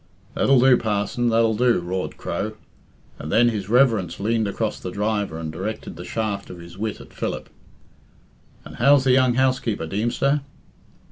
"That'll do, parson, that'll do!" roared Crow. And then his reverence leaned across the driver and directed the shaft of his wit at Philip. "And how's the young housekeeper, Deemster?"